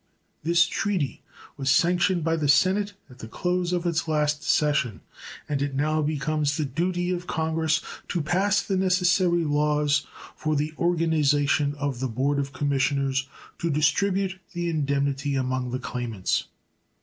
This treaty was sanctioned by the Senate at the close of its last session, and it now becomes the duty of Congress to pass the necessary laws for the organization of the board of commissioners to distribute the indemnity among the claimants.